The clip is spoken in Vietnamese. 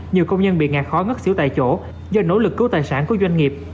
nhiều công nhân bị ngạt khó ngất xỉu tại chỗ do nỗ lực cứu tài sản của doanh nghiệp